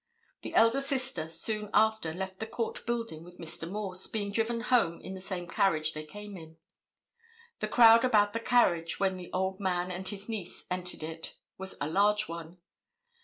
The elder sister soon after left the court building with Mr. Morse, being driven home in the same carriage they came in. The crowd about the carriage when the old man and his niece entered it was a large one.